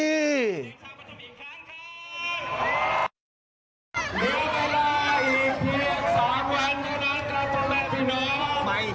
เดี๋ยวเวลาอีกเพียงสองวันเท่านั้นครับทุกแม่พี่น้อง